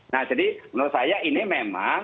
nah jadi menurut saya ini memang